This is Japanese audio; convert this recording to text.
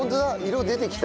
色出てきた。